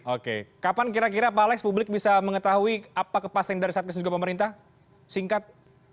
oke kapan kira kira pak alex publik bisa mengetahui apa kepastian dari satgas dan juga pemerintah singkat